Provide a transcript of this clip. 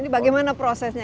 ini bagaimana prosesnya